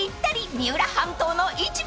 三浦半島の市場へ］